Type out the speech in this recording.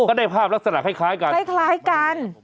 ก็ได้ภาพลักษณะคล้ายกัน